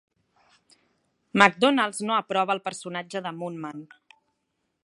McDonald's no aprova el personatge de Moon Man.